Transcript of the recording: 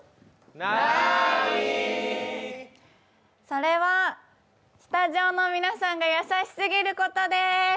それはスタジオの皆さんが優しすぎることです。